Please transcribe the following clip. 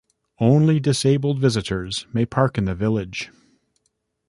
Only disabled visitors may park in the village.